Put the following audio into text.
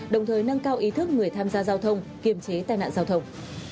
đồng thời nâng cao ý thức người tham gia giao thông kiềm chế tai nạn giao thông